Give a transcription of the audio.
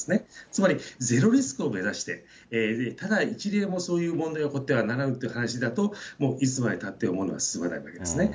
つまりゼロリスクを目指して、ただ１例もそういう問題が起こってはならぬという話だと、もういつまでたっても進まないわけですね。